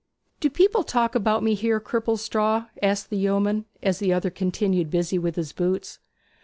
Do people talk about me here, Cripplestraw?' asked the yeoman, as the other continued busy with his boots.